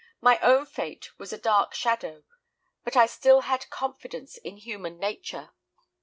My own fate was a dark shadow, but I still had confidence in human nature.